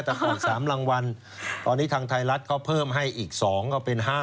ถูก๓รางวัลตอนนี้ทางไทยรัฐเขาเพิ่มให้อีก๒ก็เป็น๕๐